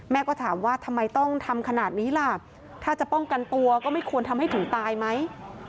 ก็ถามว่าทำไมต้องทำขนาดนี้ล่ะถ้าจะป้องกันตัวก็ไม่ควรทำให้ถึงตายไหม